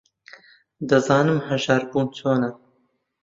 دەزانم ھەژار بوون چۆنە.